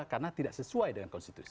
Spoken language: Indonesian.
karena tidak sesuai dengan konstitusi